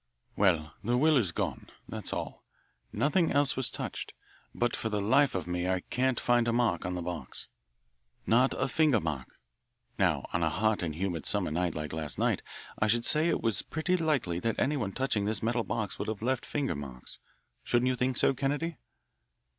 Well, the will is gone. That's all; nothing else was touched. But for the life of me I can't find a mark on the box, not a finger mark. Now on a hot and humid summer night like last night I should say it was pretty likely that anyone touching this metal box would have left finger marks. Shouldn't you think so, Kennedy?"